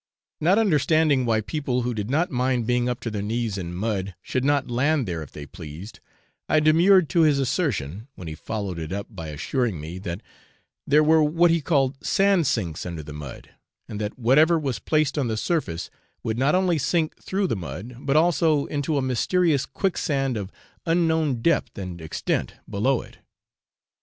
Not understanding why people who did not mind being up to their knees in mud should not land there if they pleased, I demurred to his assertion, when he followed it up by assuring me that there were what he called sand sinks under the mud, and that whatever was placed on the surface would not only sink through the mud, but also into a mysterious quicksand of unknown depth and extent below it.